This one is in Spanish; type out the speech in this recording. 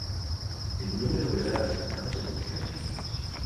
El número era asignado secuencialmente.